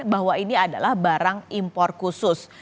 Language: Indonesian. bahwa ini adalah barang impor khusus